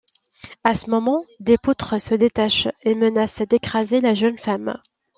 À ce moment, des poutres se détachent et menacent d'écraser la jeune femme.